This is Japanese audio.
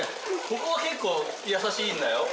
ここは結構優しいんだよ。